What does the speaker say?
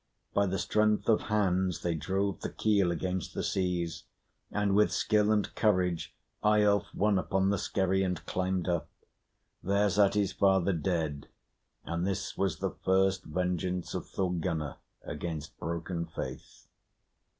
By the strength of hands they drove the keel against the seas, and with skill and courage Eyolf won upon the skerry and climbed up, There sat his father dead; and this was the first vengeance of Thorgunna against broken faith.